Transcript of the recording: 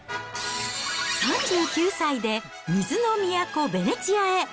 ３９歳で水の都、ヴェネツィアへ。